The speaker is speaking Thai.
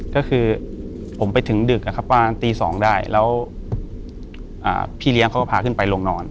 ก็คือผมไปถึงดึกอ่ะครับประมาณตีสองได้แล้วอ่าพี่เลี้ยงเขาก็พาขึ้นไปโรงนอน